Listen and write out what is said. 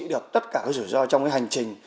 được tất cả rủi ro trong hành trình